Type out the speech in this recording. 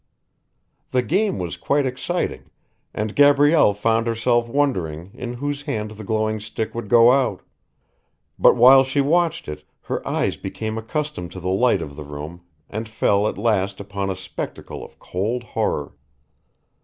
The game was quite exciting, and Gabrielle found herself wondering in whose hand the glowing stick would go out; but while she watched it her eyes became accustomed to the light of the room and fell at last upon a spectacle of cold horror.